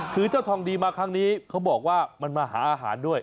คือเจ้าทองดีมาครั้งนี้เขาบอกว่ามันมาหาอาหารด้วย